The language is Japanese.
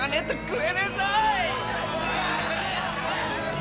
え。